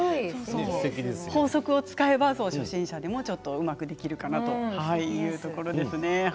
法則を使えば初心者でもうまくできるかなというところですね。